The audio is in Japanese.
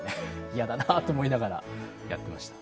嫌だなあと思いながらやってました。